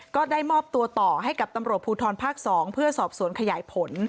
ก็ได้มอบตัวต่อให้กับตำรวจภูทรภาค๒เพื่อสอบสวนขยายผล